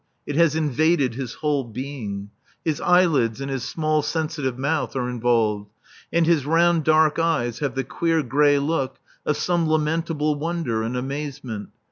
It has invaded his whole being. His eyelids and his small sensitive mouth are involved; and his round dark eyes have the queer grey look of some lamentable wonder and amazement.